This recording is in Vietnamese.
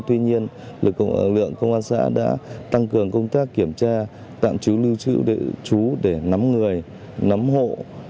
tuy nhiên lực lượng công an xã đã tăng cường công tác kiểm tra tạm trú lưu trữ địa chú để nắm người nắm hộ